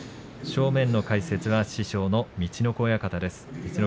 正面は師匠の陸奥親方です。